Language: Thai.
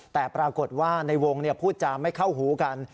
แต่ปรากฏว่าในวงพูดจาไม่เข้าหูกัน